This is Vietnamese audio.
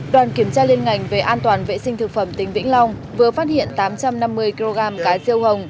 đoàn kiểm tra liên ngành về an toàn vệ sinh thực phẩm tỉnh vĩnh long vừa phát hiện tám trăm năm mươi kg cá riêu hồng